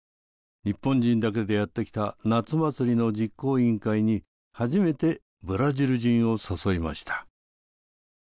日本人だけでやってきた夏祭りの実行委員会に初めてブラジル人を誘いました。